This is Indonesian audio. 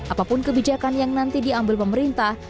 apapun kebijakan yang nanti diambil pemerintah